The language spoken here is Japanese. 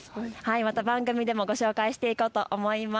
また番組でもご紹介していこうと思います。